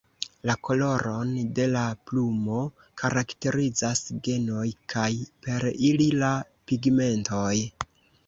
La koloron de la plumo karakterizas genoj kaj per ili la pigmentoj.